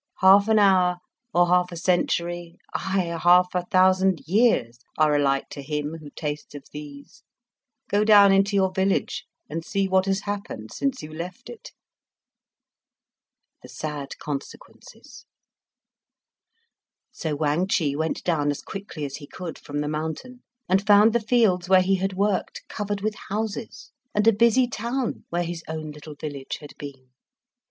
"Half an hour, or half a century aye, half a thousand years, are all alike to him who tastes of these. Go down into your village and see what has happened since you left it." So Wang Chih went down as quickly as he could from the mountain, and found the fields where he had worked covered with houses, and a busy town where his own little village had been.